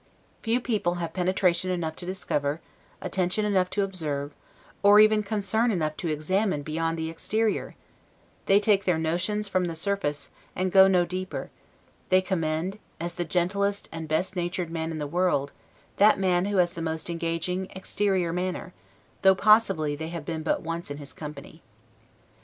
Few people have penetration enough to discover, attention enough to observe, or even concern enough to examine beyond the exterior; they take their notions from the surface, and go no deeper: they commend, as the gentlest and best natured man in the world, that man who has the most engaging exterior manner, though possibly they have been but once in his company.